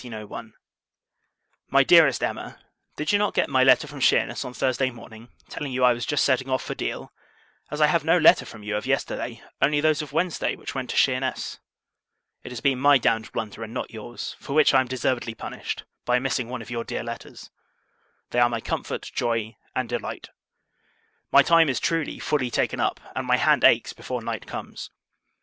MY DEAREST EMMA, Did not you get my letter from Sheerness on Thursday morning, telling you I was just setting off for Deal; as I have no letter from you of yesterday, only those of Wednesday, which went to Sheerness? It has been my damned blunder, and not your's; for which I am deservedly punished, by missing one of your dear letters. They are my comfort, joy, and delight. My time is, truly, fully taken up, and my hand aches before night comes.